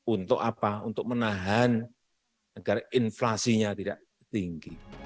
untuk apa untuk menahan agar inflasinya tidak tinggi